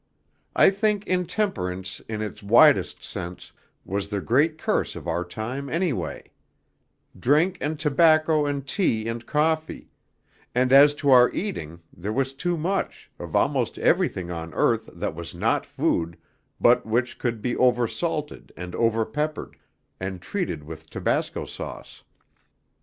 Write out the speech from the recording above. I think intemperance in its widest sense was the great curse of our time anyway; drink and tobacco and tea and coffee; and as to our eating, there was too much, of almost everything on earth that was not food, but which could be over salted and over peppered, and treated with tabasco sauce.